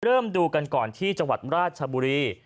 ดูกันก่อนที่จังหวัดราชบุรี